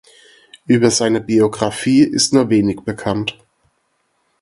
Über seine Biographie ist nur wenig bekannt.